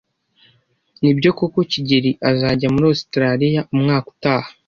Nibyo koko kigeli azajya muri Ositaraliya umwaka utaha?